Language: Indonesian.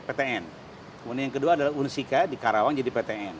kemudian yang kedua adalah unsika di karawang jadi ptn